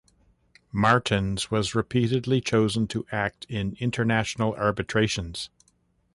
Martens was repeatedly chosen to act in international arbitrations.